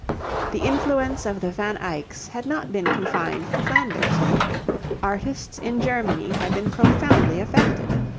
The influence of the Van Eycks had not been confined to Flanders. Artists in Germany had been profoundly affected.